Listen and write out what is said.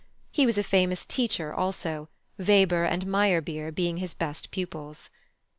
He was a famous teacher also, Weber and Meyerbeer being his best pupils.